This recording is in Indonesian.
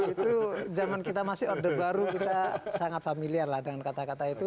itu zaman kita masih order baru kita sangat familiar lah dengan kata kata itu